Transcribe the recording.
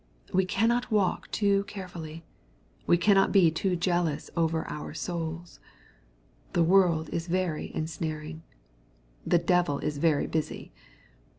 We cannot walk too carefully. We cannot be too jealous over our souls. The world is very ensnaring. The devil is very busy.